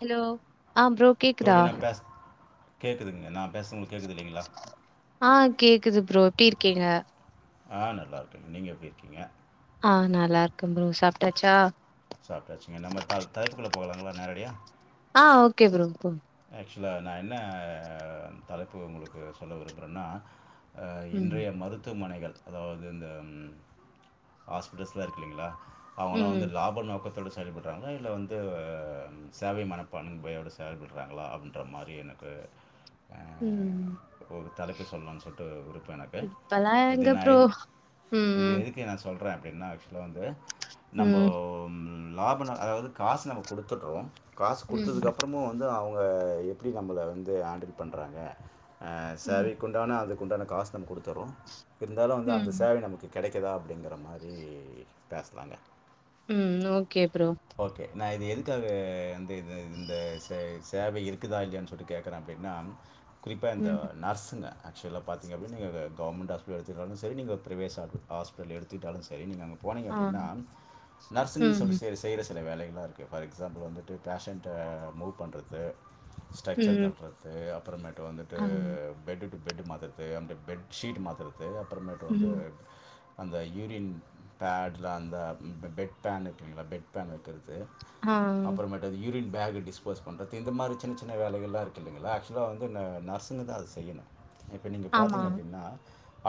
Hello ஆ bro கேக்குதா கேக்குதுங்க நா பேசுறது உங்களுக்கு கேக்குது இல்லைங்களா ஆ கேக்குது ப்ரோ எப்படி இருக்கீங்க ஆ நல்லா இருக்கங்க நீங்க எப்படி இருக்கீங்க ஆ நல்லா இருக்கன் ப்ரோ சாப்பட்டாச்சா சாப்பிட்டாச்சுங்க நம்ம த தலைப்புக்குள்ள போகலாங்களா நேரடியா ஆ ஓகே ப்ரோ போ ஆக்சுவலா நா என்ன தலைப்பு உங்களுக்கு சொல்ல விரும்புறேன்னா ம் இன்றைய மருத்துவமனைகள் அதாவது இந்த ஹாஸ்பிட்டல்ஸலா இருக்கு இல்லைங்களா அவங்களா வந்து ம் லாபம் நோக்கத்தோடு செயல்படுறாங்கல இல்ல வந்து சேவைமனப்பான்மை யோட செயல்ப றாங்களா அப்படின்ற மாரி எனக்கு உம் அஹ், தலைப்பு சொல்லலாம்னு சொல்லிட்டு ஒரு இப்பலாம் எங்க ப்ரோ உம் என்ன ஆக்சுவலா வந்து நம்ம ம் லாபம் அதாவது காசு நம்ம கொடுத்துட்டுறோ காசு ம் கொடுத்ததுக்கப்புறமும் வந்து அவங்க எப்படி நம்மள வந்து ஆண்டில் பண்ணுறாங்க ஆ சேவைக்கு உண்டான அதுக்கு உண்டான காசு நம்ம கொடுத்துறோம் இருந்தாலும் வந்து அந்த ம் சேவை நமக்கு கிடைக்குதா அப்படிங்கிற மாதிரி பேசலாங்க உம் ஓகே ப்ரோ நா இது எதுக்காக வந்து இது இந்த ச சேவை இருக்குதா இல்லையன்னனு சொல்லிட்டு கேட்குறே அப்படின்னா குறிப்பாக இந்த ம் நர்ஸுங்க ஆக்சுவலாக பாதிங்கனா நீங்க கவர்மெண்ட் ஹாஸ்பிட்டல் எடுத்துட்டாலும் சரி நீங்க பிரவேஹாஸ்பல் எடுத்துட்டாலும் சரி நீங்க அங்க போனீங்க ஆ அப்படின்னா நர்ஸு சொல்லி ம் செய்யுற சில வேலைகளாக இருக்குது ஃபார் எக்ஸாம்பிள் வந்துட்டு பேட்டியன்ட் மூவ் பண்ணுறது ஸ்ட்ரக்சர் ம் தள்ளறது அப்புறமேட்டு வந்துட்டு ஆ பெட்டு பெட் மாத்தறது அ பெட் ஷீட் மாத்தறது அப்புற மேட் வந்து ம் அந்த யூரின் பேட்ல அந்த பெட் பேன் இருக்குங்களா பெட் பேன் இருக்கிற ஆ அப்புறமேட்டது யூரின் பேக்கு டிஸ்போஸ் பண்ணுறது இந்த மாதிரி சின்ன சின்ன வேலைகள்லா இருக்கு இல்லைங்களா ஆக்சுவலாக வந்து நர்ஸுங்க தா அது செய்யணும் இப்ப நீங்க ஆமா பாத்தீங்க அப்படின்னா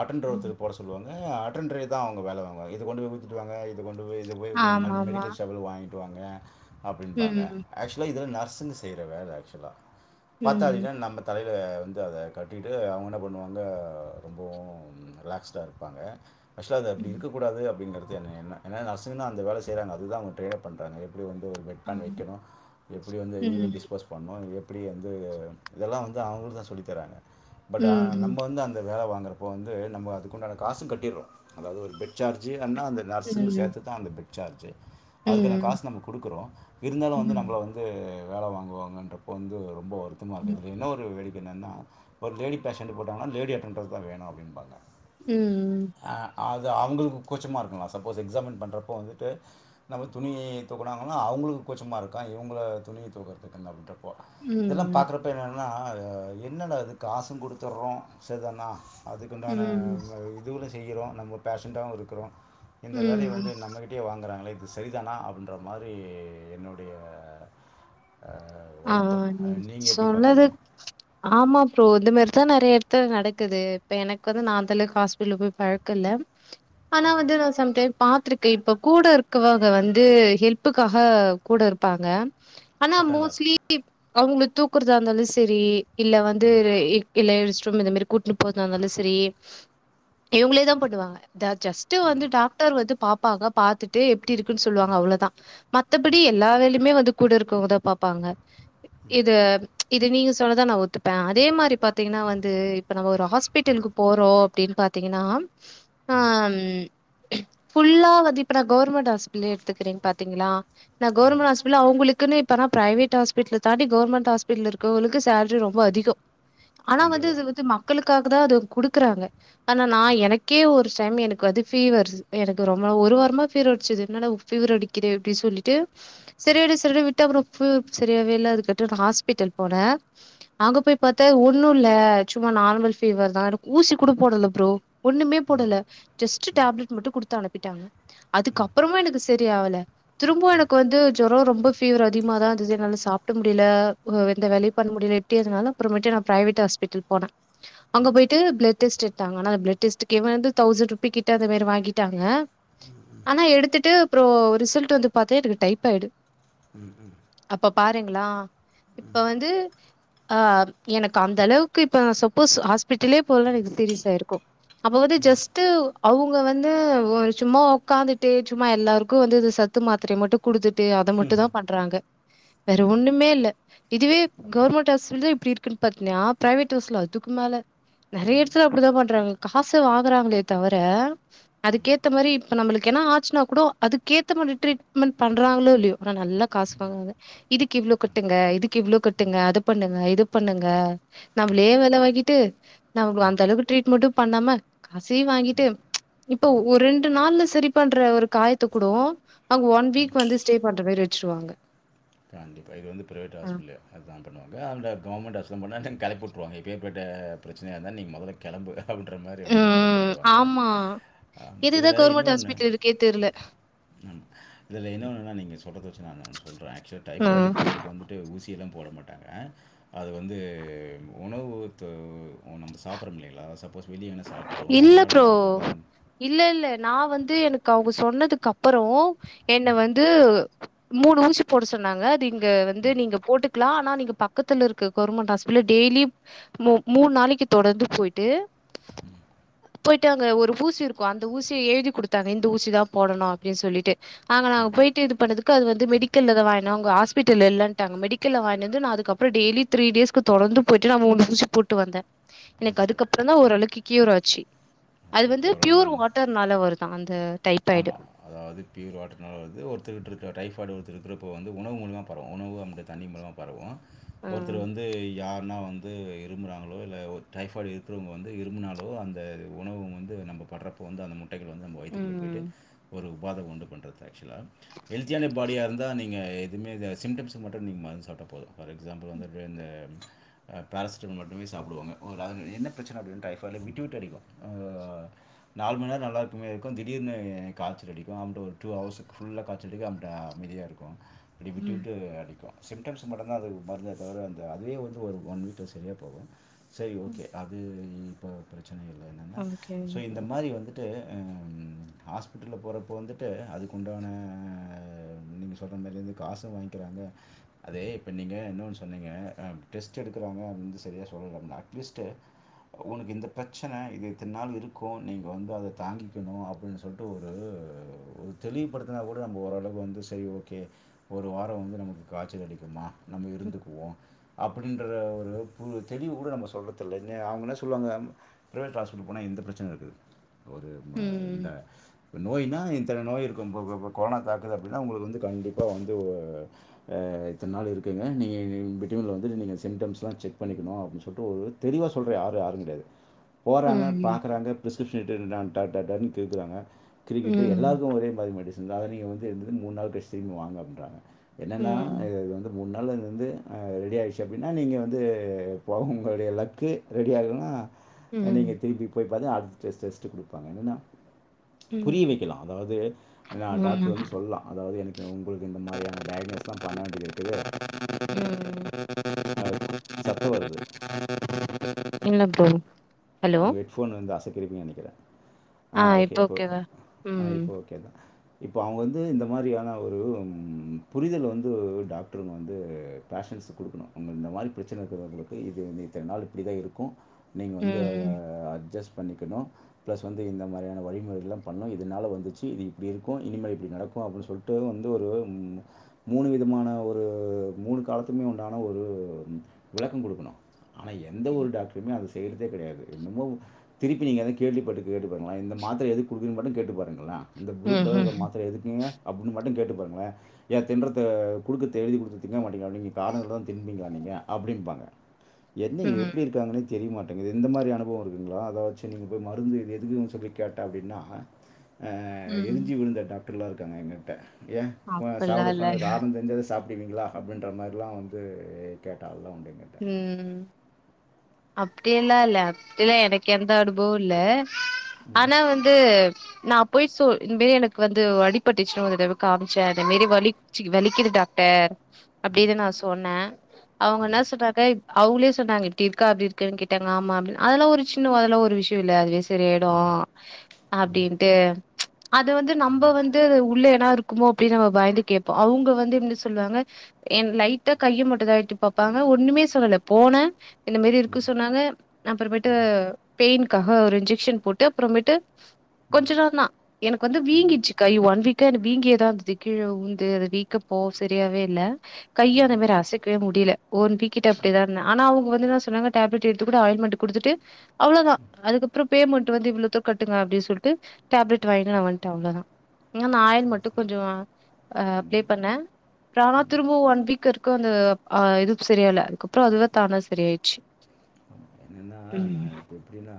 ஆட்டன்டர் ம் ஒருதர் போட சொல்லுவாங ஆ அட்டென்ட்டர் தா அவங்க வேல வாங்க இத கொண்டு போய் உதிட்டு வங்க இத கொண்டு போய் இத போய் ஆமாமா மெடிக்கல் ஷாப்பில் வாங்கிட்டு வாங்க அப்படி வாங்க ம் ஆக்சுவலா இதுல நர்ஸுங்க செய்யற வேல ஆக்சுவலா பார்த்தா அது ம் இத நம்ம தலை ல வந்து அத கட்டிட்டு அவங்க என்ன பண்ணுவாங்க ரொம்பவும் ரிலாக்ஸ்டா இருப்பாங்க ஆக்சுவலா அது அப்படி ம் இருக்க கூடது அப்படிங்கிறது என்னன்ன அசுன்னா அந்த வேல செய்கிறங்க அதுக்கு தா அவங்க டிரெயின்நே பண்றாங்க எப்படி வந்து ஒரு பெட்பன் ஆமா வைக்கணும் எப்படி வந்து ம் யூரின் டிஸ்போஸ் பண்ணு எப்படி வந்து இதெல்லா வந்து அவங்கள தா சொல்லி தராங்க ம் பட் ம் நம்ம வந்து அந்த வேல வாங் றப்ப வந்து நம்ம அதுக்குண்டான காசு கட்டிற்றோ அதாது ஒரு பெட் சார்ஜ் அன்னா அந்த நர்ஸுங்கு சேத்துதா அந்த பெட் சார்ஜு அதுக்கான ம் காசு நம்ப குடுக்குறோ இருந்தாலும் வந்து ம் நம்மள வந்து வேல வாங்குவாங்கன்றப்போ வந்து ஒரு ரொம்ப வருத்தமா ம் இருக்குது என்ன ஒரு வெடி என்னனா ஒரு லேடி பெசன்ட் போட்டாங்கன லேடி அட்டன்டர் தான் வேணும் அப்டிம்பாங்க ம் ம் அது அவங்களுக்கு கூச்சமாருக்கங்களாம் சப்போஸ் எக்ஸாமின் பண்ணுறப்போ வந்துட்டு நம்ம துணியை தூக்குனாங்குன்னா அவங்களுக்கு கூச்சமா இருக்கான் இவங்கள துணிய தூக்கறதுக்கு அப்டின் இதெல்லாம் ம் பாக்குறப்ப என்னா னா என்னடா அது காசும் கொடுத்துறோம் சரிதன்னா அதுக்குண்டான ம் இதுல செய்கிறோம் நம்ம பேஷண்டாவும் இருக்கிறோம் இந்த வேலைய ம். வந்து நம்மகிட்டயே வாங்கறாங்களே சரிதானா அப்படின்ற மாரி என்னுடைய அ வருத்தம். ஆஹ் நீங் நீங்க எப்படி சொன்னது பார்க்குறீங்க? ஆமா ஃப்ரோ இது மாரிதான் நிறைய எடத் த நடக்குது இப்ப எனக்கு வந்து நான் அந்தளவுக் ஹாஸ்பெடல் போய் பழக்க இல்ல ஆனா வந்து நான் சம்டைம் பாத்திருக்கேன் இப்ப கூட இருக்கவுக வந்து ஹெல்ப்புக்காக கூட இருப்பாங்க ஆனா அட்டெண்டர். மோஸ் அவங்க தூக்குறதா இருந்தாலும் சரி இல்ல வந்து இல்ல ரெஸ்ட்ரும் இந்த மாரி கூட்டுன்னு போறதாந்தாலும் சரி இவங்களே தா பன்னுவாங்க தா ஜஸ்ட்டு வந்து ம். டாக்டர் வந்து பாப்பாங்க பாத்துட்டு எ ப்டி இருக்குன்னு சொல்லுவாங்க அவ்ளோதான் மத்தபடி எல்லா வேலையுமே வந்து கூட இருக்கவங்கத பாப்பாங்க இது இது நீங்க சொன்னதா நா ஒத்துப்பே அதே மாரி பாத்தீங்கன்னா வந்து இப்ப நம்ம ஒரு ஹாஸ்பிட்டலுக்கு போறோம் அப்டின் பாத்தீங்கன்னா ஹம் ஃபுல்லா வந்து இப்ப நான் கவர்மெண்ட் ஹாஸ்பிடலயே எடுத்துக்கிறேன் பாத்தீங்களா நா ஆமா. கவுர்மெண்ட் ஹாஸ்பிடல்ல அவுங்களுக்குன்ன இப்பனா பிரவேட் ஹாஸ்பி ட்லதாண்டி கவர்மெண்ட் ஹால் இருக்கவளுக்கு சேரி ரொம்போ அதிகோம் ஆனா வந்து கண்டிப்பா. து வந்து மக்களுக்கா கதான் அது குடுக்குறாங்க ஆனா நான் எனக்கே ஒரு டைம் எனக்கு வந்து ஃபீவரு எனக்கு ரொம்ப ஒருவார மா ஃபீவரடிச்சது என்னடா உப்ஃபீவரடிக்கிதே அப்டி சொல்லிட்டு சரியாயிடு சரி விட்டா அப்புறோ ஃபீ சரியவேல்ல அது கட்டு நான் ஹாஸ்பிட்டல் போனேன் அங்க போய் பார்த்தே ஒன்னும் இல்ல சும்மா நார்மல் ஃபீவர் தான் எனக்கு ஊசி கூட போடல ப்ரோ ஒண்ணுமே ம். போடல ஜஸ்ட் ம். டேப்லட் மட்டும் குடுத்து அனுப்பிட்டாங்க அதுக்கப்புறமும் எனக்கு சரிஆவல திரும்பவும் எனக்கு வந்து ஜொரோ ரொம்ப ஃபீவர் அதிகமா தான் சி என்னால சாப்பிட முடியல எந்த வேலயு பண்ண முடியல எப்டி அதனால அப்புறமேட்டு நான் பிரைவேட் ஹாஸ்பிட்டல் போன அங்க போயிட்டு பிளட் டெஸ்ட் எட்தாங்க ஆனா பிளட் டெஸ்ட்டுக்கே வந்து தௌசண்ட்ருபி கிட்ட அந்த மேரி வாங்கிட்டாங்க உம் ஆனா எடுத்துட்டு அப்புறோ ரிசல்ட் வந்து பாதே எனக்கு டைப்பாயிடு உம் உம் அப்ப பாருங்களா இப்ப வந்து ஆஹ் எனக்கு அந்த அளவுக்கு இப்ப சப்போஸ் ஹாஸ்பிட்டலே போல்னா எனக்கு சீரியஸ் ஆயிருக்கும் அப்ப வந்து ஜஸ்ட்டு அவுங்க வந்து சும்மா உக்காந்துட்டே சும்மா எல்லாருக்கும் வந்து இத சத் து மாத்திரய மட்டு குடுத்துட்டு அத ம். மட்டும் தா பண்றாங்க வேற ம் ஒண்ணுமே இல்ல இதுவே ஆமா கவுர்மெண்ட் ஹாஸ்பில்தா இப்டி இருக்குன்னு பாத்தீன்னா பிரவேட் ஹாஸ்பில் அதுக்கு மேல நிறைய ம் இடத்துல அப்டிதான் பண்றாங்க காசு வாங்குறாங்களே தவிர ம் அதுக்கேத்த மாதிரி இப்ப நம்பளுக்கு எத் னா ஆச்சுனா கூட அதுக்கேத்த மாரி ட்ரீட்மெண்ட் பண்றாங்களோ இல்லையோ உனா நல்ல காசுவாங்கராங்க இதுக்கு இவ்ளோ கட்டுங்க இதுக்கு இவ்ளோ கட்டுங்க அது பண்ணுங்க இது பண்ணுங்க நம்பளே வேலை வாங்கி ட்டு நம்ப ம் அந்த அளவுக்கு ட்ரீட்மெண்டும் பண்ணாம காசையும் வாங்கிட்டு ம் இப்போ ம் ஒரு ரெண்டு நாள்ல சரி பண்ற ஒரு காயத்தை கூட அங்க ஒன் வீக் வந்து ஸ்டே பண்ற மாறி இருக் வச்சிருவாங்க கண்டிப்பா இது வந்து பிரவேட் ஹாஸ்பல்லயே அதான் பண்ணுவாங்க அந்த கவுர்மெண்ட் ஹாஸ் [unintelligible] கிளப்பி விட்டுருவங்க எப்பேர்பட்ட பிரச்சனைய இருந்தாலு நீ முதல்ல கிளம்பு அப்படின்ற மாரி வந்து கெளப்பி ம். உட்டுருவாங்க ஆமா. அஹ் எதுக்குதா இதுல கவர்மெண்ட் இன்னோன்னு ஹாஸ்பிட்டல் இருக்கே தெர்ல இதுல என்ன ஒண்ணுன்னா நீங்க சொல்றத வச்சு நானு ஒன்னு சொல்றேன் ஆக்சுவல் ஆ டைப்பாயிடு ஃபீவருக்கு வந்துட்டு ஊசி எல்லாம் போட மாட்டாங்க அது வந்து உணவு து நம்ம சாப்ரோ இல்லிங்களா சப்போஸ் வெளிய எங்கனா சாப்ட்டுருவோம். இல்ல அதனால ப்ரோ வர்றது தான். இல்ல இல்ல நா வந் து எனக்கு அவ்ங்க சொன்னதுக்கப்பறோ என்ன வந்து மூணு ஊசி போட சொன்னாங்க அது இங் க வந்து நீங்க போட்டுக் லா ஆனா நீங்க பக்கத்துல இருக்க கவர்மெண்ட் ஹாஸ்பிடல்ல டெய்லி மூ மூண் நாளைக்கு தொடர்ந்து போயிட்டு ம் போய்டட்டு அங்க ஒ ஒரு ஊசி இருக்கு அந்த ஊசிய எழுதி குடுத்தாங்க இந்த ஊசி தா போடணு அப்டின் சொல்லிட்டு அவ்ங்க ஆ போயிட்டு இது பண்ணதுக்கு அவ்ங்க வந்து மெடிக்கல்ல இத வாய்ன்ட்வாங்க ஹாஸ்பிட்டல்ல இல்லன்டாங்க மெடிக்கல்ல வாய்ன்டு வந்து நா அதுக்கப்பற டெய் லி த்ரீ டேஸ்க்கு தொடர்ந்து போயிட்டு நானு அந்த ஊசி போட்டு வந்தே எனக்கு ஓகே, அதுக்கப்ற ஓகே. றந்தா ஓரளவுக்கு கியூர் ஆச்சு அது ஓகே, ஓகே. வந்து பியூர் ஒரு வாட்டர்னால வருது தா அந்த டைப்பாய்டு அது பியூர் வாட்டர்னால வருது ஒருத்தருட்ருக்கிற டைஃபாய்டு ஒருத்தருக்கிறப்போ வந்து உணவு மூலியமா பரவு உணவு நம்முடைய தண்ணி மூலியமா பரவு ஆ ஒருத்தர் வந்து யார் னா வந்து இரும்முறாங்களோ இல்ல ஒரு டைபாய்ட் இருக்குறவ்ங்க வந்து இரும்முனாலோ அந்த உணவ வந்து நம்ப பட்றப்போ வந்து அந்த முட்டைகள் வந்து நம்ம வயித்துக்குள்ள போயிட்டு ம் ஒரு உபாதை உண்டு பண்றது ஆக்சுவ்லா ஹல்தியான பாடியா இருந்தா நீங்க எதுமேதா சிம்டம்ஸுக்கு மட்டு மருந்து சாப் டா போது ஃபார் எக்ஸாம்பிள் வந்துட்டு இந்த ஆ பேரசிட்டமல் மட்டுமே சாப்டுவாங்க ஒனக்கு அதுல என்ன பிரச்சன அப்டின் கா காரணம் விட்டு விட்டு அடிக்கு ஆ நாலு மணி நேர நல்லா இருக்க மாரி இருக்கு திடீர்னு காச்சல் அடிக் க்கு அந்த ஒரு டூ ஹவர்ஸுக்கு ஃபுல்லா காச்சல்ருக்கு அம்ட்டு அமேதியா இருக்கு இப்டி விட்டு ம் விட்டு அடிக்கு சிம்டம்ஸுக்கு மட்டுந்தா அது ஒரு பதிலே தவர அந்த அதுவே வந்து ஒரு ஒன் வீக்ல செரியா போகு செரி ஓகே அது இப்போ பிரச்சன இல்ல என்னென்னா ஸோ ஓகேங்க இந்த மாரி வந்து ட்டு ம் ஹாஸ்பிட்டல்ல போறப் ப வந்துட்டு அதுக்குண்டான நீங்க சொல்ற மாரிதா காசே வாங்கிக்கிறாங்க அது இப்ப நீங்க இன்னொன் சொன்னீங்க அம் டெஸ்ட்டு எடுக்குறாங்க அத வந்து செரியா சொல்லலனா அட்லீஸ்ட்டு ஒனக்கு இந்த பிரச்சன இது இத்தன் நாள் இருக்கு நீங்க வந்து அத தாங்கிக்கணு அப்டின் சொல்ட்டு ஒரு ஒ ஒரு தெளிவுபடுத்துனா தானே கூட நம்ப ஓரளவு வந்து செரி ஓகே ஒரு வார வந்து நமக்கு காச்சல் அடிக்குமா நம்ம இருந்துக்குவோ அப்பிடிங்குற ஒரு உழைப்பு தெரியு கூட நம்ம சொல்றதில்ல என்ன அவ்ங்க என்ன சொல்லுவாங்க ப்ரைவேட் ஹாஸ்பிட்டல் போனா இந் த பிரச்சன இருக்குது ஒரு மா இந்தா ம் எ நோயினா இந் இத்தன நோய் இருக்குன் போக இப்ப கொரோனா தாக்குது அப்டின்னா உங்களுக்கு வந்து கண்டிப்பா வந்து அ இத்தன நாளு இருக் குங்க நீங்க எ பிட்வின்ல வந்து நீங்க அந்த சிம்டம்ஸ்லா செக் பண்ணிக்கணு அப்டின் சொல்ட்டு தெளிவா சொல்றது ஆரு ஆருங் கெடையாது போறாங்க ம் பாக்றாங்க பிரிஸ்கிரிப்ஷனல் தெரியிதான் டாட் டாட் டாட்ன்னு கிறுக்குறாங்க கிறிக்கிட்டு ம் எல்லாருக்கு ஒரே மாரி மெடிசன் தா அத நீங்க வந்து திடீர்னு மூண் நாள் கழிச்சு திரும்பி வாங்க அப்டின்றாங்க என்னென்னா ம் இது இது வந்து மூணு நாள்ல அது வந்து அ ரெடி ஆய்ருச்சு அப்டின்னா நீங்க வந்து போங்க உங்களுடைய லக்கு ரெடி ஆகலன்னா நீங்க ம் திருப்பி போய் பாத்தினா அடுத்த டெஸ்ட் டெஸ்ட்டு குடுப்பாங்க என்னன்னா ம் அதாவ்து ஏனா ஆமா டாக்ட்ரு வந்து சொல்லா அதாவ்து எனக்கு அ உங்களுக்கு இந்த மாரியான டயக்னஸ்லா பண்ண வேண்டியது இருக்குது ம் அ கொ சத்த வருது இல்ல ப்ரோ ஹலோ உங்க ஹெட் ஃபோன் வந்து அசைக்கிறீங்கன் நெனைக்கிறே ஆ ஓகே இப்ப இப்போ ஓகேவா ஆ ம் இப்போ ஓகேதா இப்ப அவ்ங்க வந்து இந்த மாரியான ஒரு ம் புரிதல் வந்து டாக்ட்ருங்க வந்து பேஷண்ட் ஸுக்கு குடுக்கணு அங்க இந்த மாரி பிரச்சன இருக்கிறவ்ங்களுக்கு இது வந்து இத்தன நாள் இப்டிதா இருக்கு நீங் க ம் அட்ஜஸ் பண்ணிக்கணு பிளஸ் வந்து இந்த மாரியான வழிமுறைகள்லா பண்ணோ இதுனால வந்துச்சு இது இப்டி இருக்கு இனிமேல் இப்டி நடக் கு அப்டின் சொல்ட்டு வந்து ஒரு மூ மூணு விதமான ஒரு மூணு காலத்துக்மே உண்டான ஒரு அம் விளக்க குடுக்கணு ஆனா எந்த ஒரு டாக்ட்ருமே அத செ ய்ய கெடையாது என்னமோ ஒன்னு திருப்பி நீங்க வந்து கேள்விப்பட்டு கேட்டுப்பாருங்களே இந்த மாத்தர எதுக்கு குடுக்குறீங்க மட்டு கேட்டு பாருங்களே இந்த ப்ளூ கலர்ல ம்ஹும் மாத்தற எதுக்குங்க அப்டினு மட்டு கேட்டு பாருங்களே ஏ தின்றத்த குடுக்கற்த்த எழுதி குடுக்கிறது திங்க மாட்டீங்களாங்க நீங்க காரண சொன்னாதா திம்பீங்களாங்க ங்க அப்டின்பாங்க என்ன ம் எப்டி இருக்காங்கனே தெரியமாட் எனக்கு இந்த மாரி அனுபவோ இருக்குங்களா அத வச்சி நீங்க போய் மருந்து இது எதுக்குன் சொல்லி கேட்டா அப்டின்னா அ ம் எரிஞ்சி விழுந்த டாக்டர்லா இருக்காங்க எங்ககிட்ட ஏ கொ அப்பல்லா சாப்ட இல்ல சொன்னா காரணோ தெரிஞ்சாதா ஸ் சாப்டுவீங்களா அப்டின்ற மாரிலா வந்து கேட்ட ஆள்ளா உண்டு என்கிட்ட. ம் அப்டியெல்லா இல்ல அப்டிலா எனக்கு எந்த அனுபவோ இல்ல ம். ஆனா வந்து நாப் போய் சொல் இதுவே எனக்கு வந்து அடிபட்டுச்சின்னு ஒரு தடவ காமிச்ச அத மேரி வலிச்சி வலிக்குது டாக்டர் அப்டிதா நா சொன்ன அவங்க ம் நர்ஸ் ஸே அவுங்களே சொன்னாங்க இப்டி இருக்க அப்டி இருக்கு கேட்டாங்க ஆமா அப்டின்ன அதெல்லா ஒரு சின்ன அதல ஒரு விஷயோ இல்ல அதுவே சரியாயிடு ம் ம் அப்டின்ட்டு அது வந்து நம்ப வந்து உள்ள எது ன்னா இருக்குமோ அப்டினு நம்ம பயந்து கேபோ அவுங்க வந்து என்ன சொல்லுவாங்க என் லைட்டா கைய மட்டுதா எடுத்து பாப்பாங் நா ஒண்ணுமே சொல்லல போன இந்த மேரி இருக்கு ம் சொன்னாங்க அப்புறமேட்டு ம் பெயின்காக ஒரு இன்ஜெக்ஷன் போட்டு அப்புறமேட்டு கொஞ்ச நேரதா எனக்கு வந்து ம் வீங்கிட்ச்சி கை ஒன் வீக் க என்ன‌ வீங்கியேதா இருந்தது கீழ உந்து அது வீக்க போ சரியாவே இல்ல கைய அந்த ம் மேரி அசைக்கவே முடில ஒன் வீக்கிட்ட அப்டியேதா இருந்த ஆனா அவுங்க வந்து என்ன சொன்னாங்க டேப்லெட் எடுத்து கூட ஆயின்மெண்ட் குடுத்துட்டு அவ்ளோதா அதுக்கு அப்றம் பேமெண்ட்டு வந்து இவ்ளோத்துக்கு கட்டுங்க அப்டி சொல்ட்டு டேப்லெட் வாங்கிட்டு நா வன்ட அவ்ளோதா ம் ஞாயர் சரி மட்டு சரி கொஞ்சோ அ ம் அப்ளே பண்ண ஆனா திரும்ப ஒன் வீக்கு இருக்கு வந்து அ இது சரியாள்ள அதுக்கப்புறோ அதுவே தானா சரியாயிச்சி அ இப்ப இப்டியெல்ல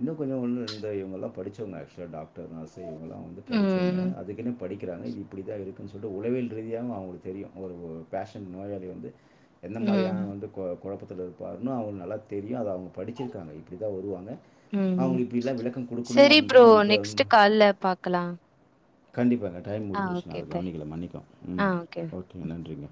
இன்னு கொஞ்ச ஒன்னு இருந்த இவங்கல்லா படிச்சவங்க ஆக்சுவலா டாக் டர் நர்ஸ்சு இவங்கல்லா வந்து படிச்சவங்க ம் அதுக்கின்னே படிக் க்குராங்க இது இப்டிதா இருக்குன் சொல்ட்டு உளவியல் ரீதியாவு அவுங்களுக் தெரியு ஒரு ஒ பேஷன் நோயாளி வந்து எந்த மாரியான ம் வந்து கொ கொழப்பத்துல இருப்பாருன்னு அவுங்க நல்லா தெரியு அது அவுங்க பட் டிச்சிருக்காங்க இப்டிதா வருவாங்க ம் அவங்களுக்கு இப்படிலாம் விளக்கம் கொடுக்கணும் செரி ப்ரோ அப்படின்றது நமக்கு நெக்ஸ்ட்டு வந்து- கால்ல பாக்கலா கண்டிப்பாங்க டைம் ஆ முடிஞ்சிர்ச்சி நா ஓகே அத பாய் கவனிக்கல மன்னிக்கோ ம் ஓகே நன்றிங்க